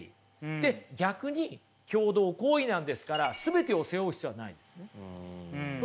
で逆に共同行為なんですから全てを背負う必要はないですねということなんですよ。